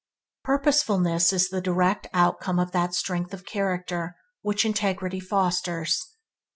Purposefulness is the direct outcome of that strength of character which integrity fosters.